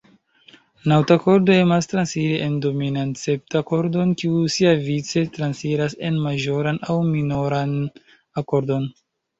Naŭtakordo emas transiri en dominantseptakordon, kiu siavice transiras en maĵoran aŭ minoran akordon.